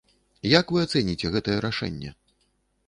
Як вы ацэніце гэтае рашэнне?